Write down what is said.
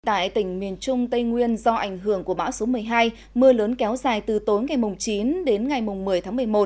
tại tỉnh miền trung tây nguyên do ảnh hưởng của bão số một mươi hai mưa lớn kéo dài từ tối ngày chín đến ngày một mươi tháng một mươi một